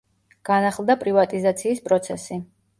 განახლდა პრივატიზაციის პროცესი.